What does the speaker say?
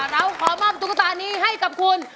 เราขอมอบตุ๊กตานี้ให้กับคุณ